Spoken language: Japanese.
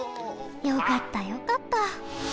よかったよかった！